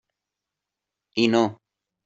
I no.